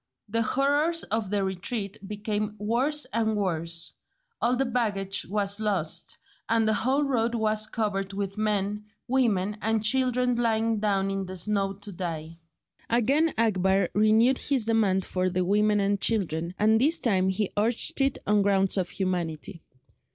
The horrors of the retreat became worse and worse. All the baggage was lost, and the whole road was covered with men, women, and children lying down in the snow to die. Again Akbar renewed his demand for the women and children, and this time he urged it on grounds of humanity.